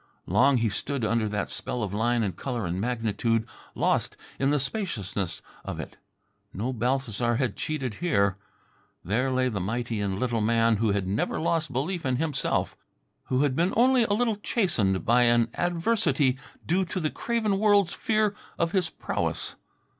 Long he stood under that spell of line and colour and magnitude, lost in the spaciousness of it. No Balthasar had cheated here. There lay the mighty and little man who had never lost belief in himself who had been only a little chastened by an adversity due to the craven world's fear of his prowess.